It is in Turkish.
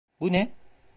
Bu ne?